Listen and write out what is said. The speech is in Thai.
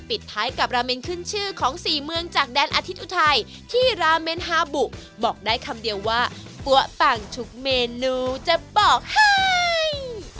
ปิดท้ายกับราเมนขึ้นชื่อของสี่เมืองจากแดนอาทิตย์อุทัยที่ราเมนฮาบุบอกได้คำเดียวว่าปั๊วปังทุกเมนูจะบอกให้